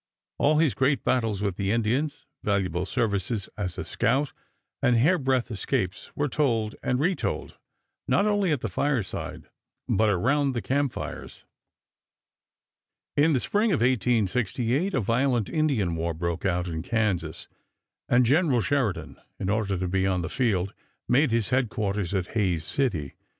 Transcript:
All his great battles with the Indians, valuable services as a scout, and hairbreadth escapes were told and retold, not only at the fireside, but around the camp fires. In the spring of 1868 a violent Indian war broke out in Kansas, and General Sheridan, in order to be on the field, made his headquarters at Hays City.